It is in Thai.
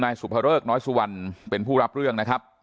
สุภเริกน้อยสุวรรณเป็นผู้รับเรื่องนะครับ